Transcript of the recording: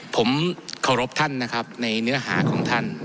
ผมเคารพท่านนะครับในเนื้อหาของท่าน